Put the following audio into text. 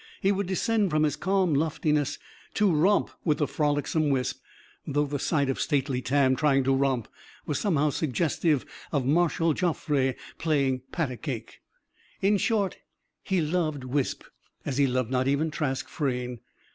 He would descend from his calm loftiness to romp with the frolicsome Wisp; though the sight of stately Tam, trying to romp, was somehow suggestive of Marshal Joffre playing pat a cake. In short, he loved Wisp, as he loved not even Trask Frayne.